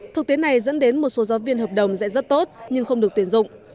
thực tế này dẫn đến một số giáo viên hợp đồng dạy rất tốt nhưng không được tuyển dụng